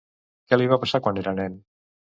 Què li va passar quan era nen?